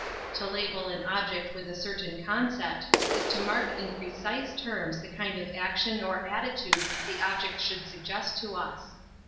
To label an object with a certain concept is to mark in precise terms the kind of action or attitude the object should suggest to us.